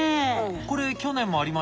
これ去年もありました？